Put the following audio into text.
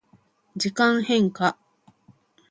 時間変化